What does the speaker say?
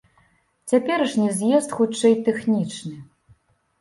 Цяперашні з'езд хутчэй тэхнічны.